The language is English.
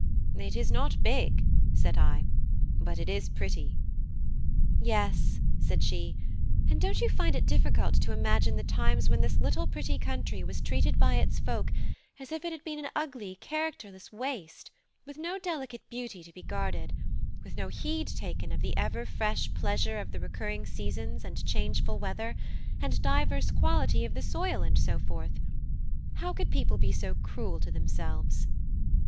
"It is not big," said I, "but it is pretty." "Yes," she said, "and don't you find it difficult to imagine the times when this little pretty country was treated by its folk as if it had been an ugly characterless waste, with no delicate beauty to be guarded, with no heed taken of the ever fresh pleasure of the recurring seasons, and changeful weather, and diverse quality of the soil, and so forth? How could people be so cruel to themselves?"